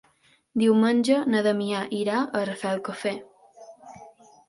Diumenge na Damià irà a Rafelcofer.